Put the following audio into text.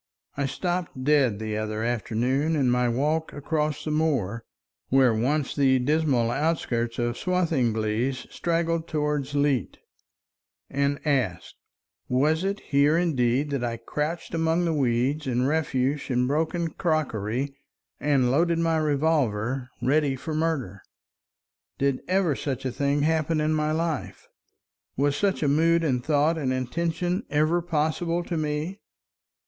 I stopped dead the other afternoon in my walk across the moor, where once the dismal outskirts of Swathinglea straggled toward Leet, and asked, "Was it here indeed that I crouched among the weeds and refuse and broken crockery and loaded my revolver ready for murder? Did ever such a thing happen in my life? Was such a mood and thought and intention ever possible to me?